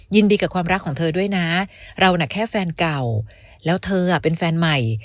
ยินดีกับความรักของเธอด้วยนะเราน่ะแค่แฟนเก่าแล้วเธอเป็นแฟนใหม่